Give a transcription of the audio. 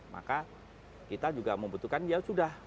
maka kita juga membutuhkan ya sudah